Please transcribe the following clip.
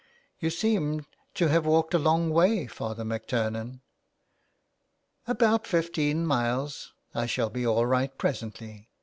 "You seem to have walked a long way, Father MacTurnan." " About fifteen miles. I shall be all right presently.